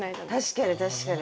確かに確かに。